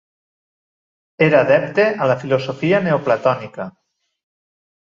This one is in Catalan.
Era adepte a la filosofia neoplatònica.